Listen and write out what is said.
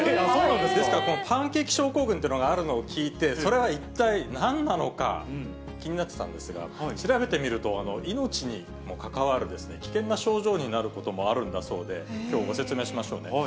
ですから、このパンケーキ症候群というのがあるのを聞いて、それは一体何なのか、気になってたんですが、調べてみると、命にも関わる危険な症状になることもあるんだそうで、きょう、ご説明しましょうね。